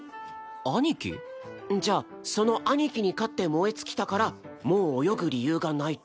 兄貴？じゃあその兄貴に勝って燃え尽きたからもう泳ぐ理由がないと？